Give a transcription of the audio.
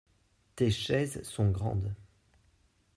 Tes chaises sont grandes.